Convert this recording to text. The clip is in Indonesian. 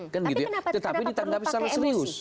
tapi kenapa perlu pakai emosi